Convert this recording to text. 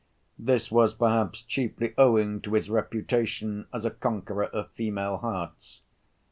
This was perhaps chiefly owing to his reputation as a conqueror of female hearts.